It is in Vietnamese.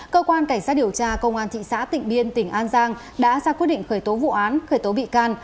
cơ quan cảnh sát điều tra công an thị xã tịnh biên tỉnh an giang đã ra quyết định khởi tố vụ án khởi tố bị can